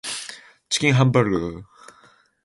チキンハンバーガー